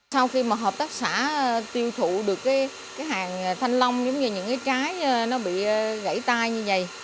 sau khi mà hợp tác xã tiêu thụ được cái hàng thanh long giống như những cái trái nó bị gãy tay như vậy